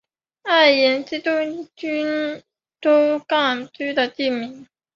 爱宕是东京都港区的地名。